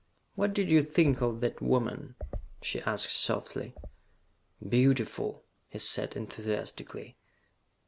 "What did you think of that woman?" she asked softly. "Beautiful!" he said enthusiastically.